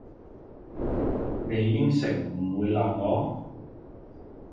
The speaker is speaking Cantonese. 你應承唔會鬧我？